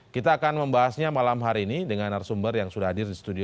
kita akan membahasnya malam hari ini dengan arsumber yang sudah hadir di studio